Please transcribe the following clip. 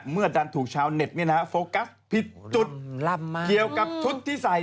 เมื่อดันถูกชาวเน็ตโฟกัสผิดจุดเกี่ยวกับชุดที่ใส่